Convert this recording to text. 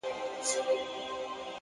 د ميني پر كوڅه ځي ما يوازي پــرېـــږدې.!